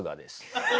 ハハハハ！